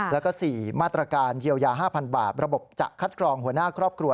แล้วก็๔มาตรการเยียวยา๕๐๐บาทระบบจะคัดกรองหัวหน้าครอบครัว